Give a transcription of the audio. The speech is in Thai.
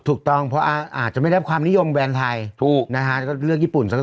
ถูกต้องเพราะอาจจะไม่ได้รับความนิยมแบรนด์ไทยถูกนะฮะแล้วก็เลือกญี่ปุ่นซะหน่อย